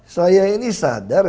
saya ini sadar